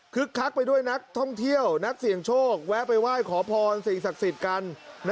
คักไปด้วยนักท่องเที่ยวนักเสี่ยงโชคแวะไปไหว้ขอพรสิ่งศักดิ์สิทธิ์กัน